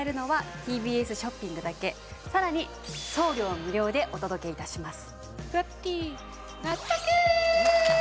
さらに送料無料でお届けいたします